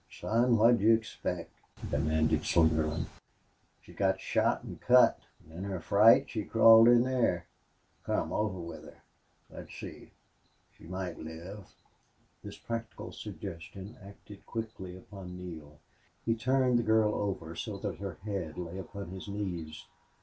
"Son, what'd you expect?" demanded Slingerland. "She got shot or cut, an' in her fright she crawled in thar. Come, over with her. Let's see. She might live." This practical suggestion acted quickly upon Neale. He turned the girl over so that her head lay upon his knees.